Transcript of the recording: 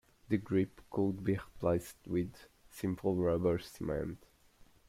The grip could be replaced with simple rubber cement.